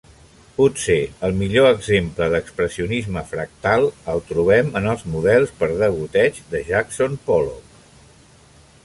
Potser el millor exemple d'expressionisme fractal el trobem en els models per degoteig de Jackson Pollock.